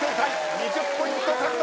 ２０ポイント獲得。